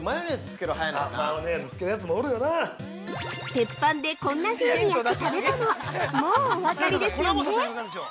◆鉄板でこんな風に焼く食べ物、もうお分かりですよね？